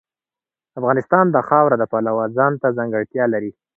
افغانستان د خاوره د پلوه ځانته ځانګړتیا لري.